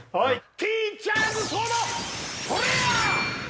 ティーチャーズソードとりゃっ！